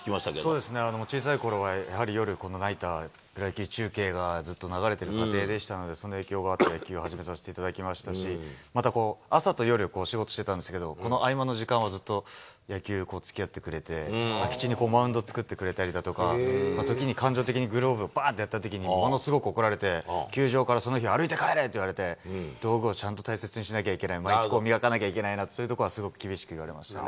そうですね、小さいころは、やはり夜、このナイター、野球中継がずっと流れてる家庭でしたので、その影響があって、野球を始めさせていただきましたし、また朝と夜、仕事してたんですけど、その合間の時間は、ずっと野球つきあってくれて、空き地にマウンド作ってくれたりだとか、時に感情的にクローブばーんってやったときに、ものすごく怒られて、球場からその日、歩いて帰れ！って言われて、道具をちゃんと大切にしなきゃいけない、磨かなきゃいけない、そういうとこはすごく厳しく言われましたね。